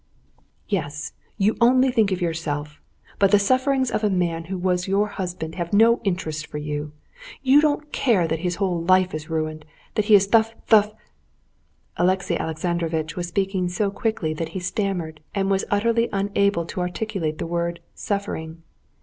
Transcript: "Yes, you only think of yourself! But the sufferings of a man who was your husband have no interest for you. You don't care that his whole life is ruined, that he is thuff ... thuff...." Alexey Alexandrovitch was speaking so quickly that he stammered, and was utterly unable to articulate the word "suffering."